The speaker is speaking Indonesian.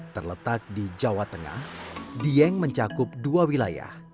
terletak di jawa tengah dieng mencakup dua wilayah